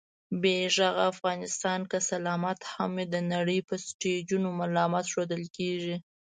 بې غږه افغانستان که سلامت هم وي، د نړۍ په سټېجونو ملامت ښودل کېږي